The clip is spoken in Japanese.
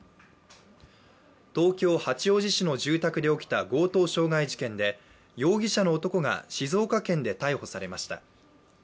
東京・八王子市の住宅で起きた強盗傷害事件で容疑者の男が静岡県で逮捕されました。